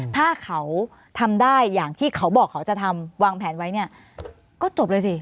ถ้าเขาทำได้อย่างที่เขาบอกเขาจะทำวางแผนไว้เนี่ยก็จบเลยสิ